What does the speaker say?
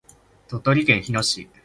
鳥取県日野町